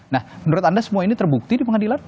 nah menurut anda semua ini terbukti di pengadilan